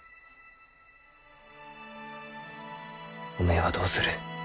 おめえはどうする？